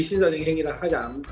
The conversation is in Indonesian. tidak boleh menang gol bersama